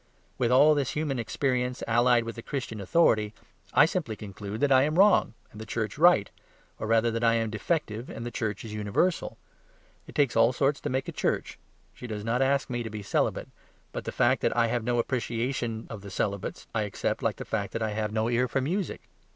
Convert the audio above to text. With all this human experience, allied with the Christian authority, I simply conclude that I am wrong, and the church right; or rather that I am defective, while the church is universal. It takes all sorts to make a church; she does not ask me to be celibate. But the fact that I have no appreciation of the celibates, I accept like the fact that I have no ear for music.